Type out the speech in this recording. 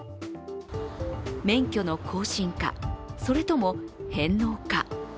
免許の更新か、それとも返納か。